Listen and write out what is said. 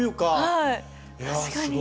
はい。